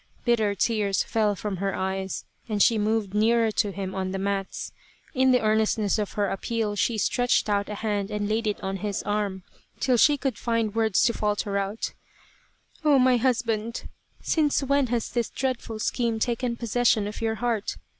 Bitter tears fell from her eyes, and she moved nearer to him on the mats ; in the earnestness of her appeal she stretched out a hand and laid it on his arm, till she could find words to falter out :" Oh, my husband, since when has this dreadful scheme taken possession of your heart